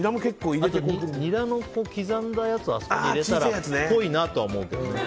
あと、ニラの刻んだやつをあそこに入れたらっぽいなとは思うけどね。